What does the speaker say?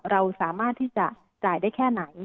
เราสามารถที่จะจ่ายได้แค่ไหน